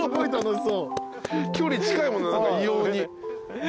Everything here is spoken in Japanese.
距離近いもんな異様に。